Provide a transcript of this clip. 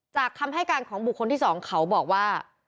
คำให้การของบุคคลที่๒เขาบอกว่า